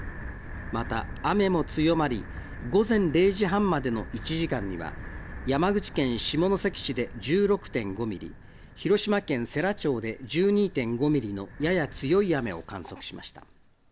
また雨も強まり午前０時半までの１時間には山口県下関市で１６．５ミリ、広島県世羅町で１２．５ミリのやや強い雨を観測しました。